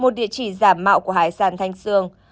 một địa chỉ giả mạo của hải sản thanh sương